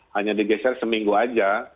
hanya digeser seminggu aja